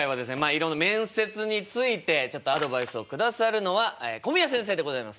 いろんな面接についてちょっとアドバイスを下さるのは古宮先生でございます。